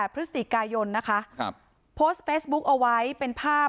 ๒๘พฤศติกายนโพสต์เฟสบุ๊คเอาไว้เป็นภาพ